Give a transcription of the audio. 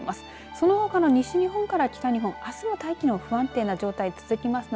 そのほかの西日本から北日本あすは大気の不安定な状態続きますね。